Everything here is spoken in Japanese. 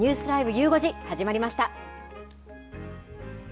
ゆう５時、始まりました。